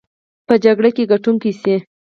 په جګړه کې ګټونکي شي.